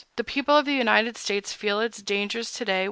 The people of the United States feel its dangers to day.